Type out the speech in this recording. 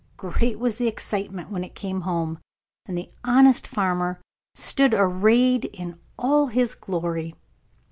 Great was the excitement when it came home, and the honest farmer stood arrayed in all his glory.